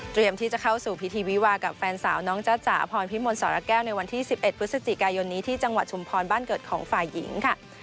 ที่จะเข้าสู่พิธีวิวากับแฟนสาวน้องจ้าจ๋าพรพิมลสรแก้วในวันที่๑๑พฤศจิกายนนี้ที่จังหวัดชุมพรบ้านเกิดของฝ่ายหญิงค่ะ